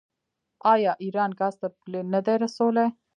آیا ایران ګاز تر پولې نه دی رسولی؟